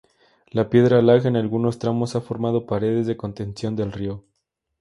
La piedra laja en algunos tramos ha formado paredes de contención del río.